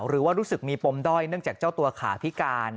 รู้สึกมีปมด้อยเนื่องจากเจ้าตัวขาพิการ